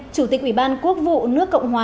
chủ tịch ủy ban quốc vụ nước cộng hòa